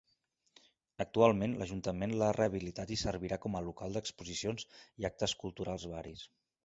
Actualment l’Ajuntament l’ha rehabilitat i servirà com a local d’exposicions i actes culturals varis.